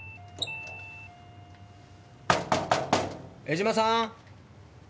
江島さん！